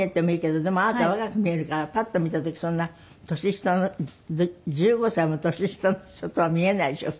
でもあなた若く見えるからパッと見た時そんな年下の１５歳も年下の人とは見えないでしょ？